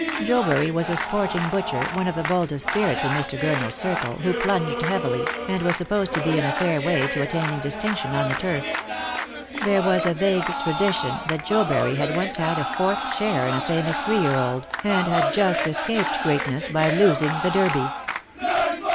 Jcbury was a sporting butcher, one of the boldest spirits in Mr. Gurner's circle, who plunged heavily, and was supposed to he in a fair way to attaining distinction on the tur,f. There was a vague tradition that Jobury had once had a fourth share in a famous three year old, and had just escaped greaf ness by losing the Derby.